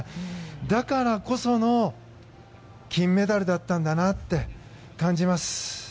だからこその金メダルだったんだなって感じます。